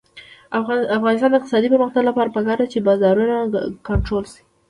د افغانستان د اقتصادي پرمختګ لپاره پکار ده چې بازارونه کنټرول شي.